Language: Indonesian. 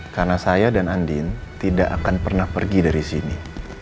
karena saya dan andin tidak akan pernah pergi dari sini